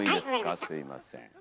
すいません。